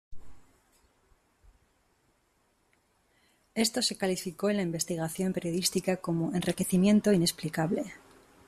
Esto se calificó en la investigación periodística como "enriquecimiento inexplicable".